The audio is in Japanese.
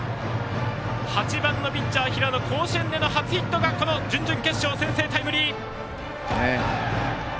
８番のピッチャー、平野甲子園での初ヒットが準々決勝先制タイムリー！